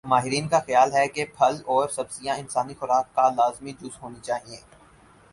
ماہرین کا خیال ہے کہ پھل اور سبزیاں انسانی خوراک کا لازمی جز ہونی چاہئیں